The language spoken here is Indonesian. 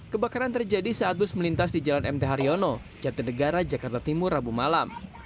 kebakaran terjadi saat bus melintas di jalan mt haryono jatinegara jakarta timur rabu malam